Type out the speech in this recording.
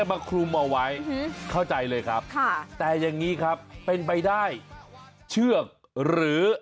มาคลุมเอาไว้เข้าใจเลยครับค่ะแต่อย่างนี้ครับเป็นไปได้เชือกหรือ